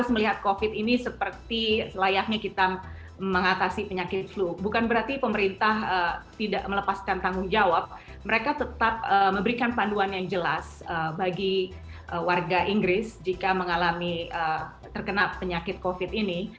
mereka tidak melepaskan tanggung jawab mereka tetap memberikan panduan yang jelas bagi warga inggris jika mengalami terkena penyakit covid sembilan belas ini